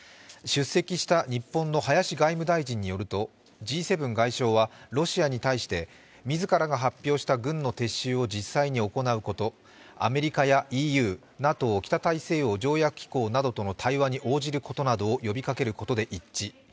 出席した日本の林外務大臣によるとＧ７外相はロシアに対して、自らが発表した軍の撤収を実際に行うこと、アメリカやＥＵ、ＮＡＴＯ＝北大西洋条約機構などとの対話に応じることなどを呼びかけることで一致。